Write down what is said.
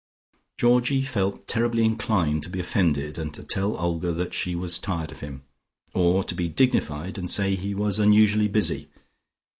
Georgie felt terribly inclined to be offended and tell Olga that she was tired of him: or to be dignified and say he was unusually busy.